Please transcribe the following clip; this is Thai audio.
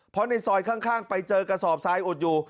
เพราะในซอยข้างไปเจอกระสอบทรายอุดอยู่